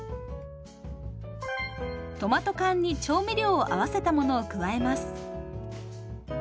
トマト缶に調味料を合わせたものを加えます。